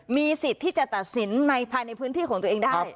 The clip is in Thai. มีสิทธิ์ที่จะตัดสินภายในพื้นที่ของตัวเองได้